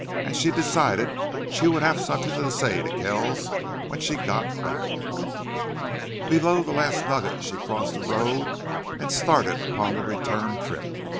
And she decided she would have something to say to Kells when she got back. Below the Last Nugget she crossed the road and started upon the return trip.